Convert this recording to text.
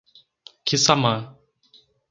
Quissamã